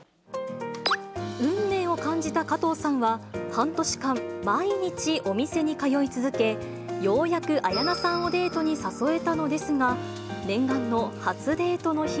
運命を感じた加藤さんは、半年間、毎日、お店に通い続け、ようやく綾菜さんをデートに誘えたのですが、念願の初デートの日。